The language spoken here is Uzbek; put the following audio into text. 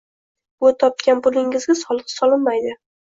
Bu topgan pulingizga soliq solinmaydi.